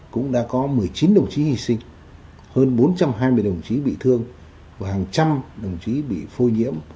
cũng đã có một mươi chín đồng chí hy sinh hơn bốn trăm hai mươi đồng chí bị thương và hàng trăm đồng chí bị phô nhiễm